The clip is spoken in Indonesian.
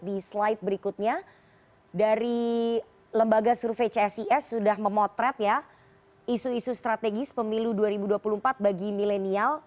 di slide berikutnya dari lembaga survei csis sudah memotret ya isu isu strategis pemilu dua ribu dua puluh empat bagi milenial